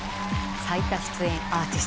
最多出演アーティスト。